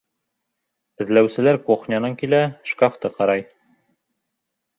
Эҙләүселәр кухнянан килә, шкафты ҡарай.